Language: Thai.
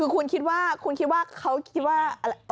คุณคิดว่าเขาคิดว่า